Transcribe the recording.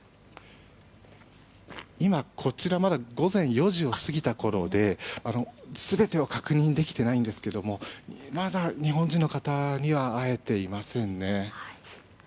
今、こちらまだ午前４時を過ぎたころで全てを確認できていないんですがまだ日本人の方には会えていませんね。